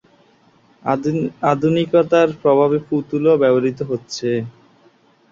আধুনিকতার প্রভাবে পুতুল ও ব্যবহৃত হচ্ছে।